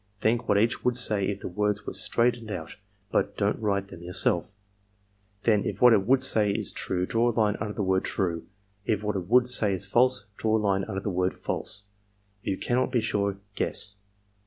Think what each would say if the words were straight ened out, but don't write them yourself. Then, if what it tootdd say is true draw a line under the word "true;" if what it would say is false, draw a line under the word "false." If you cannot be sure, guess.